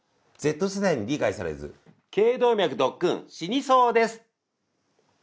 Ｚ世代に理解されず頸動脈ドックン死にそうです。